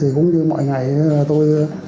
thì cũng như mọi ngày tôi